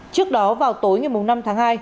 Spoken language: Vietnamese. trước đó vào tối ngày năm tháng hai